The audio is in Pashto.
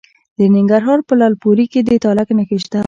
د ننګرهار په لعل پورې کې د تالک نښې شته.